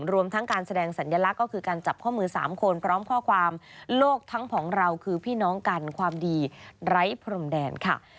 รวมทั้งการแสดงสัญลักษณ์ก็คือการจับข้อมือ๓คนพร้อมข้อความโลกทั้งของเราคือพี่น้องกันความดีไร้พรมแดนค่ะ